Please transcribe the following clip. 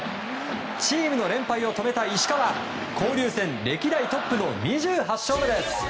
チームの連敗を止めた石川交流戦歴代トップの２８勝目です。